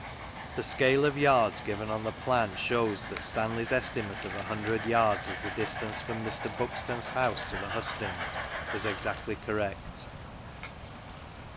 The scale of yards given on the Plan shows that Stanley's estimate of a hundred yards as the distance from Mr. Buxton's house to the Hustings was exacdy correct.